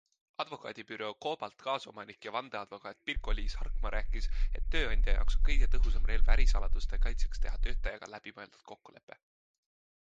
Advokaadibüroo Cobalt kaasomanik ja vandeadvokaat Pirkko-Liis Harkmaa rääkis, et tööandja jaoks on kõige tõhusam relv ärisaladuste kaitseks teha töötajaga läbimõeldud kokkulepe.